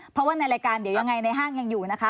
เพราะว่าในรายการเดี๋ยวยังไงในห้างยังอยู่นะคะ